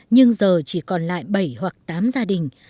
nhưng giờ chỉ còn lại bảy hoặc tám gia đình